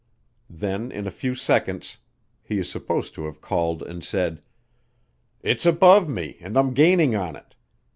Then in a few seconds he is supposed to have called and said, "It's above me and I'm gaining on it.